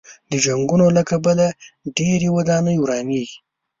د جنګونو له کبله ډېرې ودانۍ ورانېږي.